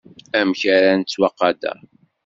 Amek ara nettwaqader.